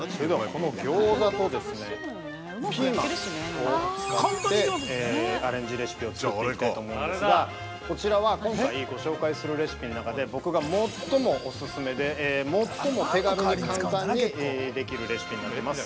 このギョーザと、ピーマン、を使って、アレンジレシピを作っていきたいと思うんですが、こちらは、今回、ご紹介するレシピの中で、僕がもっともお勧めで、最も手軽に簡単にできるレシピになります。